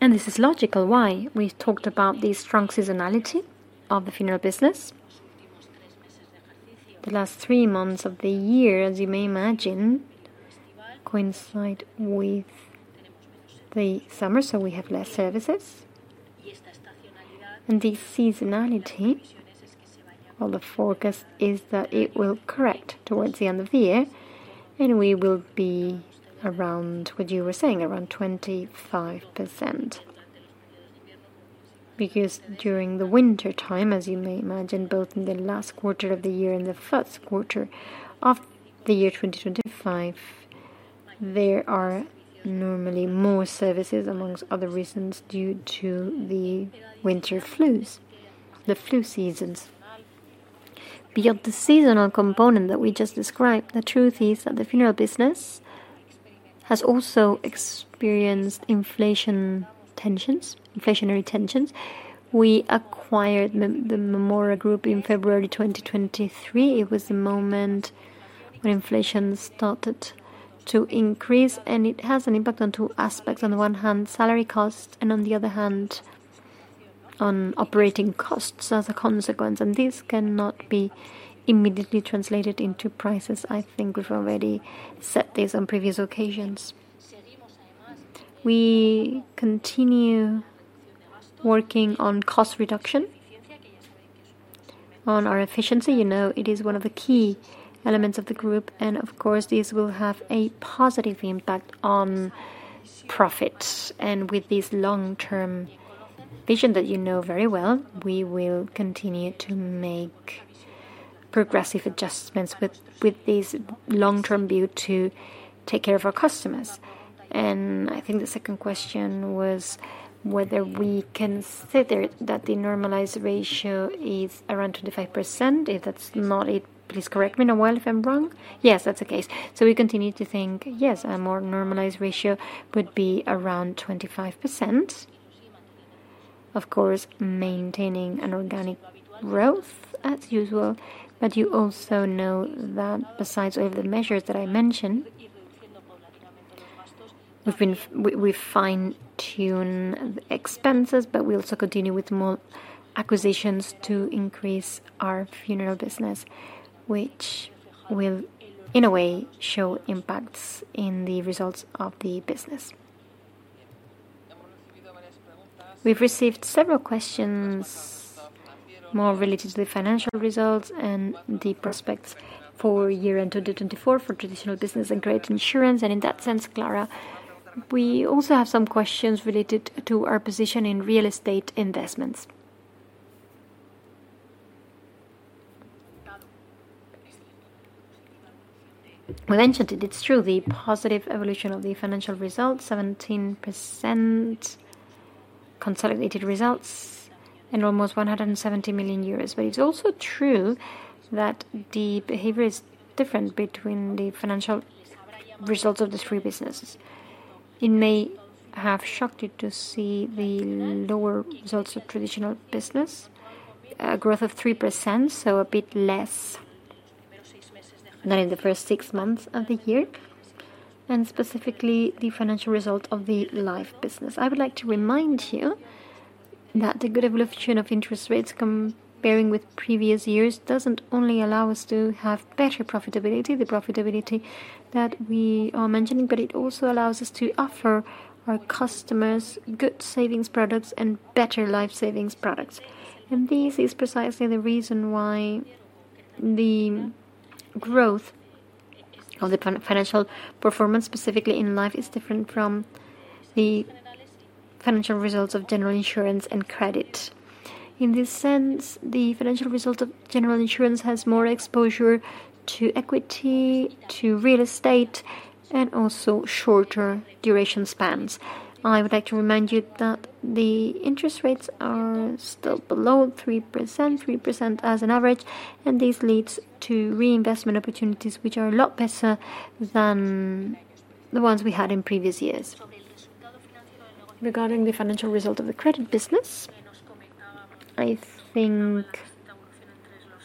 A: and this is logical why we talked about the strong seasonality of the funeral business. The last three months of the year, as you may imagine, coincide with the summer, so we have less services. The seasonality, all the forecast is that it will correct towards the end of the year, and we will be around what you were saying, around 25%. Because during the wintertime, as you may imagine, both in the last quarter of the year and the first quarter of the year 2025, there are normally more services among other reasons due to the winter flus, the flu seasons. Beyond the seasonal component that we just described, the truth is that the funeral business has also experienced inflationary tensions. We acquired the Mémora Group in February 2023. It was the moment when inflation started to increase, and it has an impact on two aspects. On the one hand, salary costs, and on the other hand, on operating costs as a consequence, and this cannot be immediately translated into prices. I think we've already said this on previous occasions. We continue working on cost reduction, on our efficiency. You know it is one of the key elements of the group, and of course, this will have a positive impact on profits, and with this long-term vision that you know very well, we will continue to make progressive adjustments with this long-term view to take care of our customers. I think the second question was whether we consider that the normalized ratio is around 25%. If that's not it, please correct me, Noel, if I'm wrong. Yes, that's the case. So we continue to think, yes, a more normalized ratio would be around 25%, of course, maintaining an organic growth as usual. But you also know that besides all of the measures that I mentioned, we fine-tune the expenses, but we also continue with more acquisitions to increase our funeral business, which will, in a way, show impacts in the results of the business. We've received several questions more related to the financial results and the prospects for year end 2024 for traditional business and credit insurance. In that sense, Clara, we also have some questions related to our position in real estate investments. We mentioned it. It's true, the positive evolution of the financial results, 17% consolidated results, and almost 170 million euros. But it's also true that the behavior is different between the financial results of the three businesses. It may have shocked you to see the lower results of traditional business, a growth of 3%, so a bit less than in the first six months of the year, and specifically the financial result of the life business. I would like to remind you that the good evolution of interest rates comparing with previous years doesn't only allow us to have better profitability, the profitability that we are mentioning, but it also allows us to offer our customers good savings products and better life savings products. And this is precisely the reason why the growth of the financial performance, specifically in life, is different from the financial results of general insurance and credit. In this sense, the financial result of general insurance has more exposure to equity, to real estate, and also shorter duration spans. I would like to remind you that the interest rates are still below 3%, 3% as an average, and this leads to reinvestment opportunities, which are a lot better than the ones we had in previous years. Regarding the financial result of the credit business, I think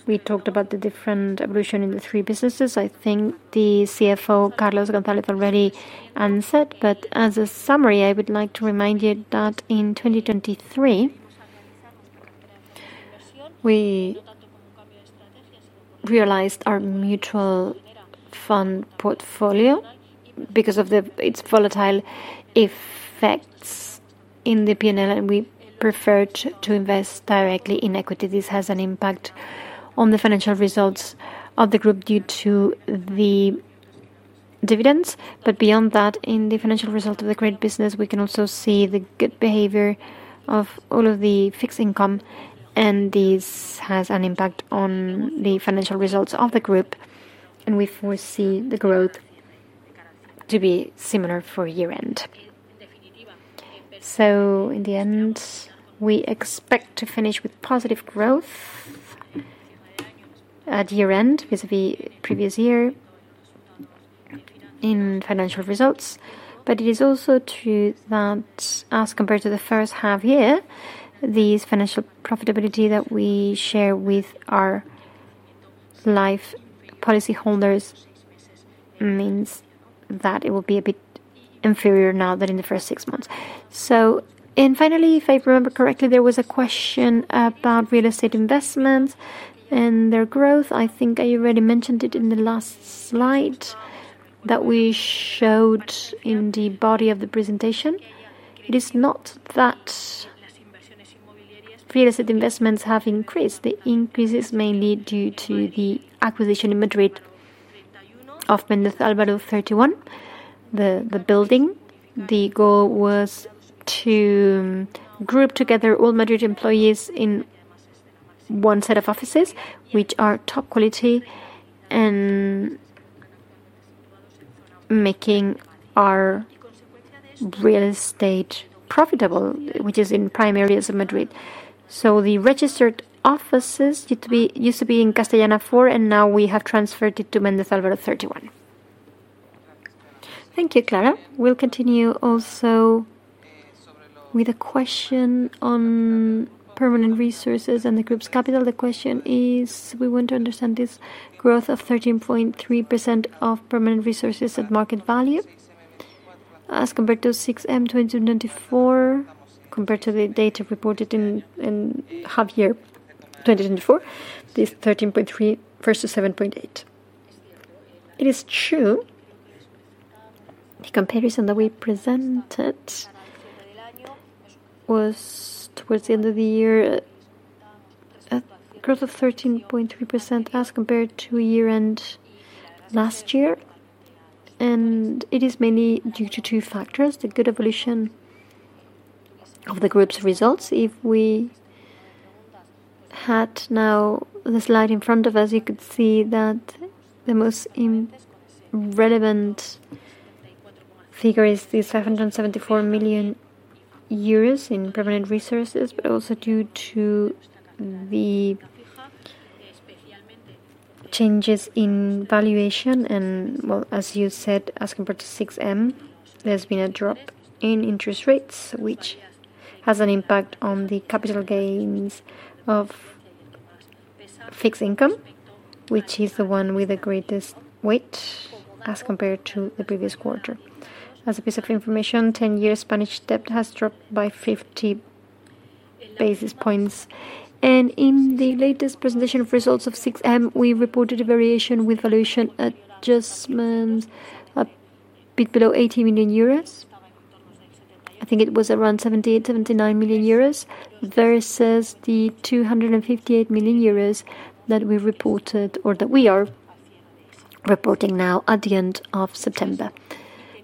A: we talked about the different evolution in the three businesses. I think the CFO, Carlos González, already answered, but as a summary, I would like to remind you that in 2023, we realized our mutual fund portfolio because of its volatile effects in the P&L, and we preferred to invest directly in equity. This has an impact on the financial results of the group due to the dividends. But beyond that, in the financial result of the credit business, we can also see the good behavior of all of the fixed income, and this has an impact on the financial results of the group, and we foresee the growth to be similar for year end. So in the end, we expect to finish with positive growth at year end vis-à-vis previous year in financial results, but it is also true that as compared to the first half year, this financial profitability that we share with our life policy holders means that it will be a bit inferior now than in the first six months. So finally, if I remember correctly, there was a question about real estate investments and their growth. I think I already mentioned it in the last slide that we showed in the body of the presentation. It is not that real estate investments have increased. The increase is mainly due to the acquisition in Madrid of Méndez Álvaro 31, the building. The goal was to group together all Madrid employees in one set of offices, which are top quality, and making our real estate profitable, which is in primary areas of Madrid. So the registered offices used to be in Castellana 4, and now we have transferred it to Méndez Álvaro 31. Thank you, Clara. We'll continue also with a question on permanent resources and the group's capital. The question is, we want to understand this growth of 13.3% of permanent resources at market value. As compared to 6M 2024, compared to the data reported in half year 2024, this 13.3 versus 7.8. It is true, the comparison that we presented was towards the end of the year, a growth of 13.3% as compared to year end last year, and it is mainly due to two factors: the good evolution of the group's results. If we had now the slide in front of us, you could see that the most relevant figure is the 574 million euros in permanent resources, but also due to the changes in valuation, and well, as you said, as compared to 6M, there has been a drop in interest rates, which has an impact on the capital gains of fixed income, which is the one with the greatest weight as compared to the previous quarter. As a piece of information, 10-year Spanish debt has dropped by 50 basis points. And in the latest presentation of results of 6M, we reported a variation with valuation adjustment a bit below 80 million euros. I think it was around 78 or 79 million versus the 258 million euros that we reported or that we are reporting now at the end of September.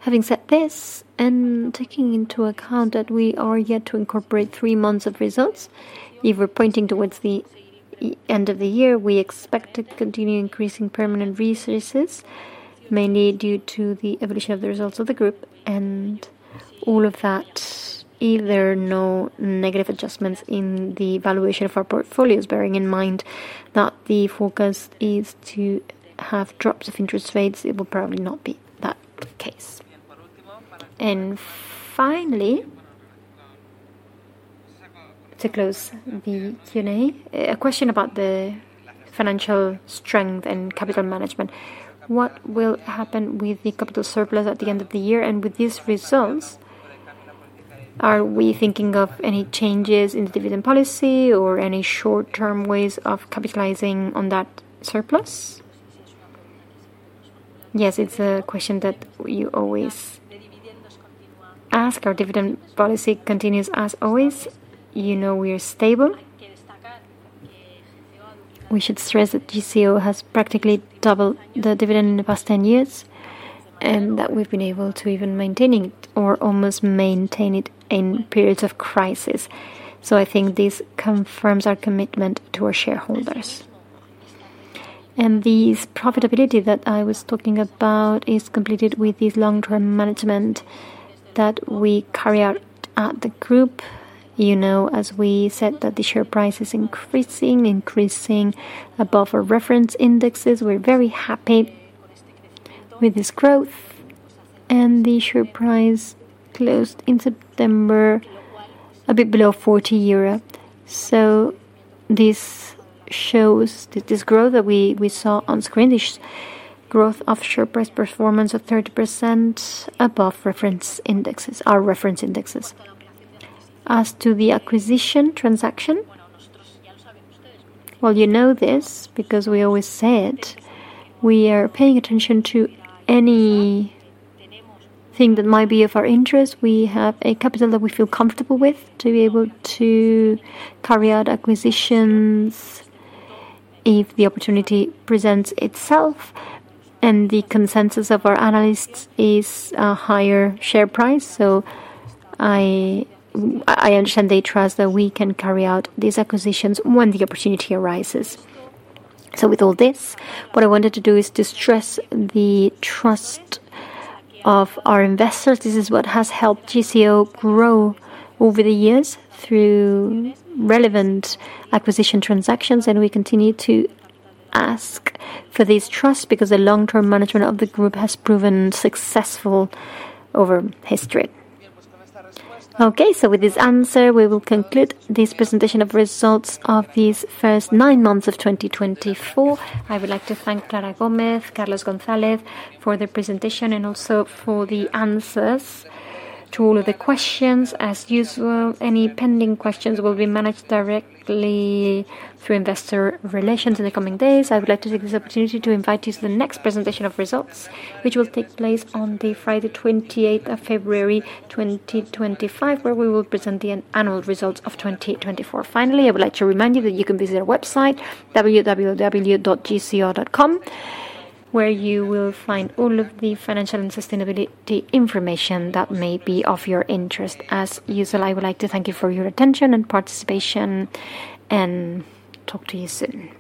A: Having said this and taking into account that we are yet to incorporate three months of results, if we're pointing towards the end of the year, we expect to continue increasing permanent resources, mainly due to the evolution of the results of the group and all of that. With no negative adjustments in the valuation of our portfolios, bearing in mind that the forecast is to have drops of interest rates, it will probably not be that case. And finally, to close the Q&A, a question about the financial strength and capital management. What will happen with the capital surplus at the end of the year? And with these results, are we thinking of any changes in the dividend policy or any short-term ways of capitalizing on that surplus? Yes, it's a question that you always ask. Our dividend policy continues as always. You know we are stable. We should stress that GCO has practically doubled the dividend in the past 10 years and that we've been able to even maintain it or almost maintain it in periods of crisis. So I think this confirms our commitment to our shareholders. And this profitability that I was talking about is completed with this long-term management that we carry out at the group. You know, as we said, that the share price is increasing, increasing above our reference indexes. We're very happy with this growth. The share price closed in September a bit below 40 euro. This shows that this growth that we saw on screen, this growth of share price performance of 30% above reference indexes, our reference indexes. As to the acquisition transaction, well, you know this because we always say it. We are paying attention to anything that might be of our interest. We have a capital that we feel comfortable with to be able to carry out acquisitions if the opportunity presents itself and the consensus of our analysts is a higher share price. I understand they trust that we can carry out these acquisitions when the opportunity arises. With all this, what I wanted to do is to stress the trust of our investors. This is what has helped GCO grow over the years through relevant acquisition transactions, and we continue to ask for this trust because the long-term management of the group has proven successful over history. Okay, so with this answer, we will conclude this presentation of results of these first nine months of 2024. I would like to thank Clara Gómez, Carlos González for the presentation and also for the answers to all of the questions. As usual, any pending questions will be managed directly through investor relations in the coming days. I would like to take this opportunity to invite you to the next presentation of results, which will take place on Friday, 28 February 2025, where we will present the annual results of 2024. Finally, I would like to remind you that you can visit our website, www.gco.com, where you will find all of the financial and sustainability information that may be of your interest. As usual, I would like to thank you for your attention and participation, and talk to you soon.